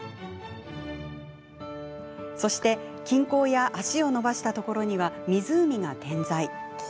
そして、近郊や足を伸ばしたところには湖が点在。